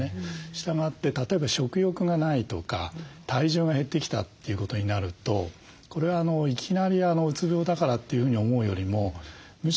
したがって例えば食欲がないとか体重が減ってきたということになるとこれはいきなりうつ病だからというふうに思うよりもむしろ内科で少し検査しようとかそこで相談をしてみる。